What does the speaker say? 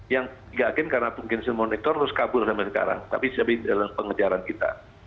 yang tiga agen karena mungkin semonetor terus kabur sampai sekarang tapi dalam pengejaran kita